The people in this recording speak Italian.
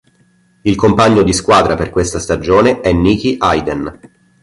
Il compagno di squadra per questa stagione è Nicky Hayden.